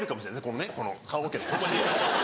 このねこの棺おけのここに。